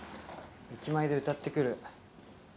駅前で歌ってくる。